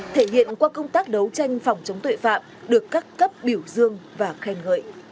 thể hiện qua công tác đấu tranh phòng chống tội phạm được các cấp biểu dương và khen ngợi